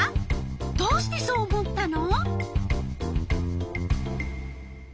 どうしてそう思ったの？